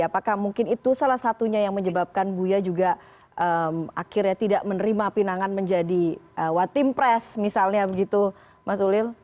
apakah mungkin itu salah satunya yang menyebabkan buya juga akhirnya tidak menerima pinangan menjadi watim pres misalnya begitu mas ulil